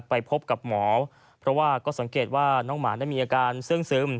ไปพบกับหมอเพราะว่าก็สังเกตว่าน้องหมานั้นมีอาการเสื่องซึม